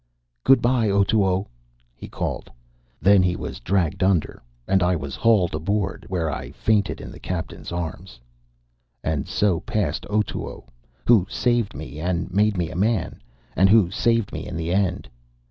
"Good by, Otoo!" he called. Then he was dragged under, and I was hauled aboard, where I fainted in the captain's arms. And so passed Otoo, who saved me and made me a man, and who saved me in the end.